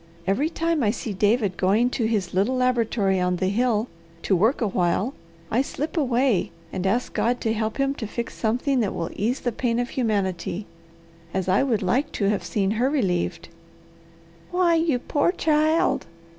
Every time I see David going to his little laboratory on the hill to work a while I slip away and ask God to help him to fix something that will ease the pain of humanity as I should like to have seen her relieved." "Why you poor child!